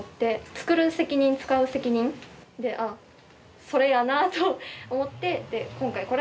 「つくる責任つかう責任」であっそれやなと思ってで今回これを考えました。